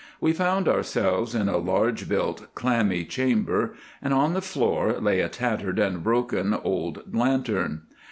We found ourselves in a large built, clammy chamber, and on the floor lay a tattered and broken old lantern.